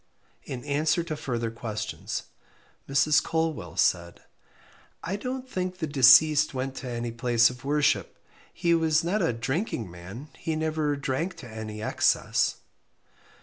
In answer to further questions, Mrs. Colwell said I don't think the deceased went to any place of worship. He was not a drinking man he never drank to any excess.